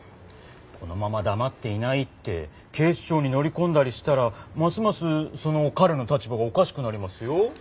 このまま黙っていないって警視庁に乗り込んだりしたらますますその彼の立場がおかしくなりますよ。